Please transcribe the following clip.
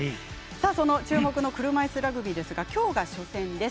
その注目の車いすラグビーですがきょうが初戦です。